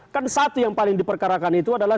kan satu yang paling diperkarakan itu adalah